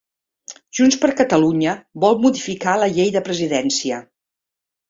Junts per Catalunya vol modificar la llei de presidència